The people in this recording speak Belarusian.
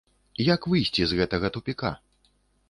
Як выйсці з гэтага тупіка?